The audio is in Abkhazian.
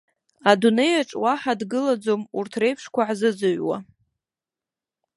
Адунеи аҿы уаҳа дгылаӡом урҭ реиԥшқәа ҳзызыҩуа!